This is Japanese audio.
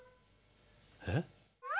えっ？